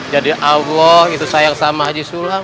jadi allah itu sayang sama haji sulam